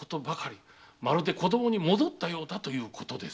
まるで子供に戻ったようだということです。